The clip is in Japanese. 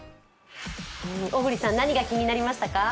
小栗さん何が気になりましたか？